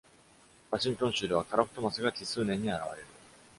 ワシントン州ではカラフトマスが奇数年に現れる。